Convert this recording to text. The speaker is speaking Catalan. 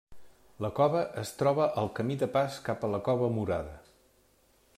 La cova es troba al camí de pas cap a la cova Murada.